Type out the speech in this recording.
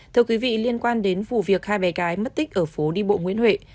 thưa quý vị liên quan đến vụ việc hai bé gái mất tích ở phố đi bộ nguyễn huệ